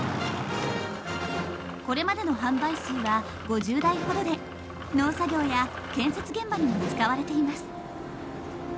これまでの販売数は５０台ほどで農作業や建設現場にも使われています。